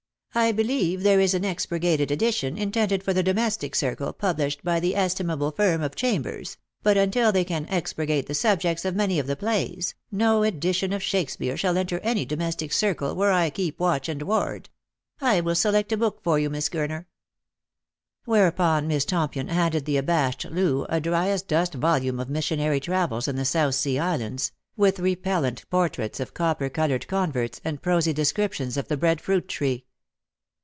I believe there is an expurgated edition, intended for the domestic circle, published by the estimable firm of Chambers ; but until they can expurgate the subjects of many Lost for Love. 183 of the plays, no edition of Shakespeare shall enter any domes tic circle where I keep watch and ward. I will select a book tor you, Miss Gurner." Whereupon Miss Tompion handed the abashed Loo a dryasdust volume of missionary travels in the South Sea Islands, with repellant portraits of copper coloured converts, and prosy descriptions of the bread fruit tree.